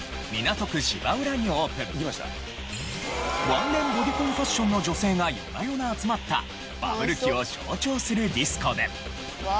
ワンレンボディコンファッションの女性が夜な夜な集まったバブル期を象徴するディスコで。